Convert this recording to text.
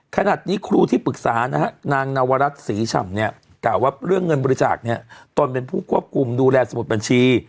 ขณะนี้ครูที่ปรึกษานะฮะนางนวรัฐศรีฉ่ำเนี่ยกล่าวว่าเรื่องเงินบริจาคเนี่ยตนเป็นผู้ควบคุมดูแลสมุดบัญชี